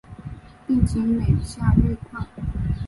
病情每下愈况